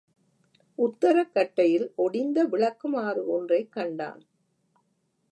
உத்தரக் கட்டையில் ஒடிந்த விளக்குமாறு ஒன்றைக் கண்டான்.